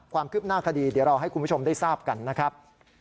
ความคืบหน้าคดีเดี๋ยวเราให้คุณผู้ชมได้ทราบกันนะครับ